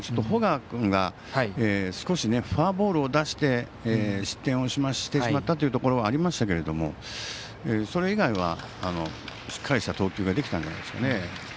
保川君が少しフォアボールを出して失点をしてしまったというところがありましたけどそれ以外はしっかりした投球ができたんじゃないでしょうか。